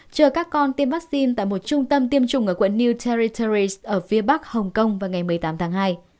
chờ các con tiêm vaccine tại một trung tâm tiêm chủng ở quận new territerres ở phía bắc hồng kông vào ngày một mươi tám tháng hai